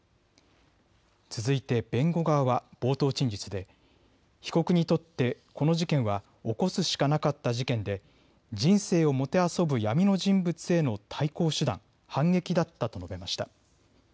続いて弁護側は冒頭陳述で被告にとってこの事件は起こすしかなかった事件で人生をもてあそぶ闇の人物への対抗手段、反撃だったと述べました。